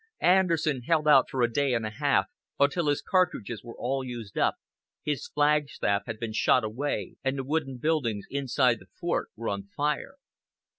Anderson held out for a day and a half, until his cartridges were all used up, his flagstaff had been shot away, and the wooden buildings inside the fort were on fire.